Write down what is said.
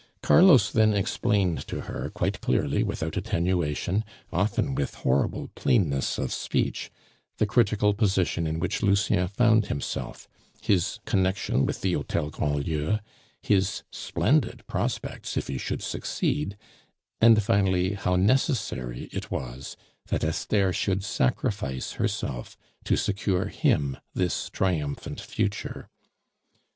Carlos then explained to her quite clearly, without attenuation, often with horrible plainness of speech, the critical position in which Lucien found himself, his connection with the Hotel Grandlieu, his splendid prospects if he should succeed; and finally, how necessary it was that Esther should sacrifice herself to secure him this triumphant future.